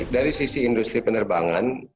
dari sisi industri penerbangan